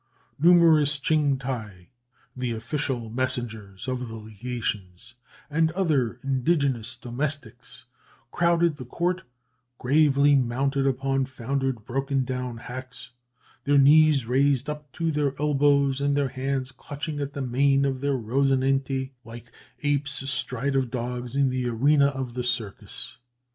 Numerous Tching taï, the official messengers of the legations, and other indigenous domestics, crowded the court, gravely mounted upon foundered broken down hacks, their knees raised up to their elbows, and their hands clutching at the mane of their Rosinante, like apes astride of dogs in the arena of the circus.